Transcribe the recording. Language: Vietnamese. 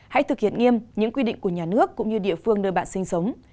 hãy thực hiện nghiêm những quy định của nhà nước cũng như địa phương nơi bạn sinh sống